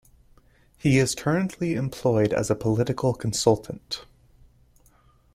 He is currently employed as a political consultant.